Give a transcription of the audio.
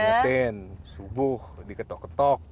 diingetin subuh diketok ketok